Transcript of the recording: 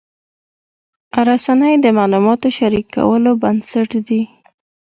رسنۍ د معلوماتو شریکولو بنسټ دي.